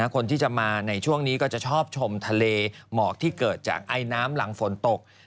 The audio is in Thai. คนที่จะมาในช่วงนี้ก็จะชอบชมทะเลหมอกที่เกิดจากไอน้ำหลังฝนตก